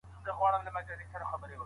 د پښتو صحیح کلمو لپاره املا ضروري ده.